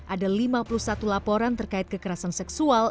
ada lima puluh satu laporan terkait kekerasan seksual